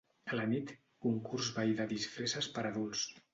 A la nit, concurs-ball de disfresses per adults.